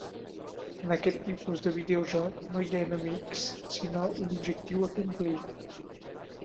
En aquest tipus de videojoc no hi ha enemics, sinó un objectiu a complir.